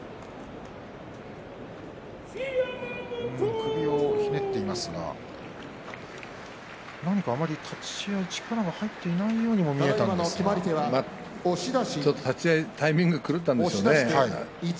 首をひねっていますが何か、立ち合い、力が入っていないようにもちょっと立ち合いのタイミングが狂ったんでしょうね。